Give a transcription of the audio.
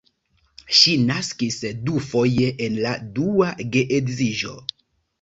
Ŝi naskis dufoje en la dua geedziĝo.